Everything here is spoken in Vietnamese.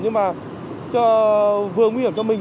nhưng mà vừa nguy hiểm cho mình